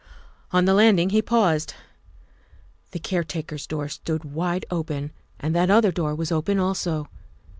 On the landing he paused. The caretaker's door stood wide open and that other door was open also.